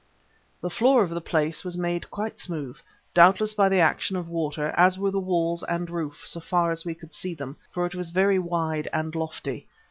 The floor of the place was made quite smooth, doubtless by the action of water, as were the walls and roof, so far as we could see them, for it was very wide and lofty.